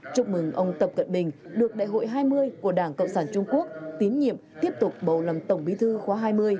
chúc mừng ông tập cận bình được đại hội hai mươi của đảng cộng sản trung quốc tín nhiệm tiếp tục bầu làm tổng bí thư khóa hai mươi